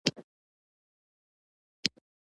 دا حقیقت د انسان د تاریخ بنسټ دی.